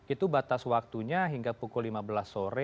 itu batas waktunya hingga pukul lima belas sore